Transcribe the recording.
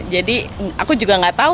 jadi aku juga gak tau